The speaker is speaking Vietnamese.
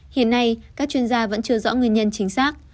hiện nay các chuyên gia vẫn chưa rõ nguyên nhân chính xác